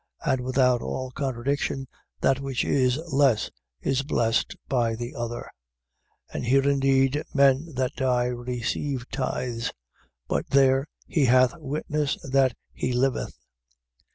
7:7. And without all contradiction, that which is less is blessed by the better. 7:8. And here indeed, men that die receive tithes: but there, he hath witness that he liveth.